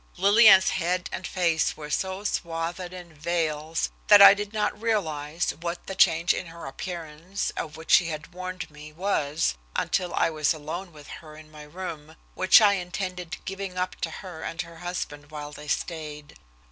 Lillian's head and face were so swathed in veils that I did not realize what the change in her appearance of which she had warned me was until I was alone with her in my room, which I intended giving up to her and her husband while they stayed.